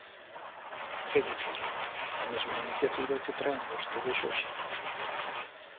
É dicir, a mesma iniciativa que traen vostedes hoxe.